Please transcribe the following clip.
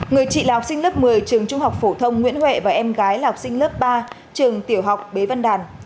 người chị là học sinh lớp một mươi trường trung học phổ thông nguyễn huệ và em gái là học sinh lớp ba trường tiểu học bế văn đàn